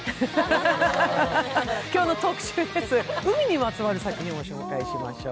今日の特集です、海にまつわる作品を紹介しましょう。